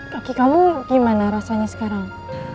kaki kamu gimana rasanya sekarang